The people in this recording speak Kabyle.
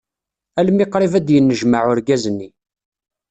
Almi qrib ad d-yennejmaɛ urgaz-nni.